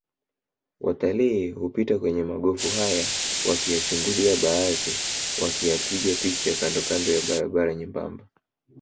Watalii hupita kwenye magofu haya wakiyachungulia baadhi wakiyapiga picha kandokando ya barabara nyembamba